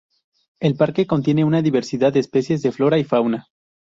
El parque contiene una diversidad de especies de flora y fauna.